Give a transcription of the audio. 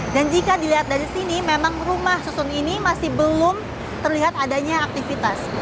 dan jika dilihat dari sini memang rumah susun ini masih belum terlihat adanya aktivitas